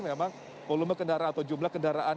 memang volume kendaraan atau jumlah kendaraan